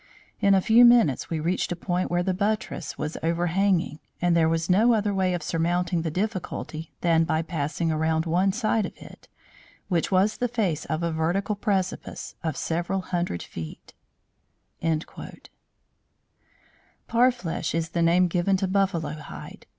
In a few minutes we reached a point where the buttress was overhanging, and there was no other way of surmounting the difficulty than by passing around one side of it, which was the face of a vertical precipice of several hundred feet." Parfleche is the name given to buffalo hide.